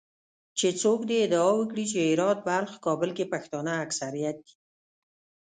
چې څوک دې ادعا وکړي چې هرات، بلخ، کابل کې پښتانه اکثریت دي